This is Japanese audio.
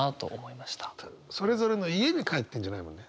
それぞれの家に帰ってるんじゃないもんね。